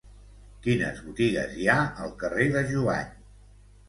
Quines botigues hi ha al carrer de Jubany?